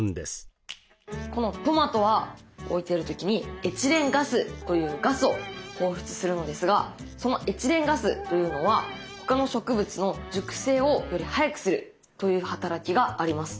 このトマトは置いてる時にエチレンガスというガスを放出するのですがそのエチレンガスというのは他の植物の熟成をより早くするという働きがあります。